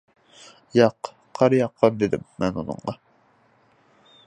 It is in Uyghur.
-ياق، قار ياغقان، -دېدىم مەن ئۇنىڭغا.